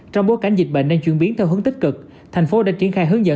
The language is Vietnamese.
trong bối cảnh dịch bệnh đang chuyển biến theo hướng tích cực thành phố đã triển khai hướng dẫn